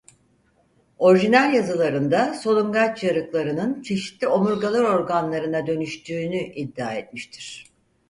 Orijinal yazılarında solungaç yarıklarının çeşitli omurgalı organlarına dönüştüğünü iddia etmiştir.